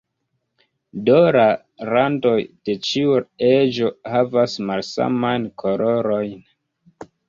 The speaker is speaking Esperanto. Do la randoj de ĉiu eĝo havas malsamajn kolorojn.